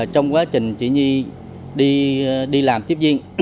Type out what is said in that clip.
trong quá trình chị nhi đi làm tiếp viên